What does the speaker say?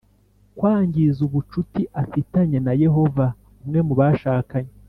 Kwangiza ubucuti afitanye na Yehova Umwe mu bashakanye